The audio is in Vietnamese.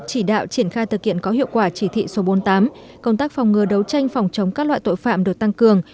chỉ đạo triển khai thực hiện có hiệu quả chỉ thị số bốn mươi tám công tác phòng ngừa đấu tranh phòng chống các loại tội phạm được tăng cường